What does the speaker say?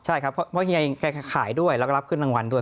ใช่ครับเพราะเฮียเองแกขายด้วยแล้วก็รับขึ้นรางวัลด้วย